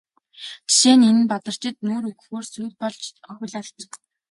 Жишээ нь энэ Бадарчид нүүр өгөхөөр сүйд болж хөл алдана.